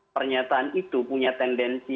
pernyataan itu punya tendensi